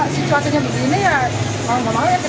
bagaimana ya situasinya begini ya mau nggak mau ya kita ikutin